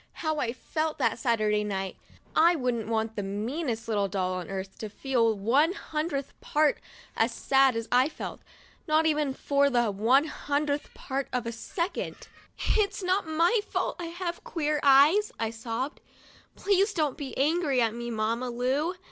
How I felt that Saturday night ! I wouldn't want the meanest little doll on earth to feel one hundredth part as sad as I felt, not even for the one hundredth part of a second. "It's not my fault that I have queer eyes," I sobbed. " Please don't be angry at me, Mamma Lu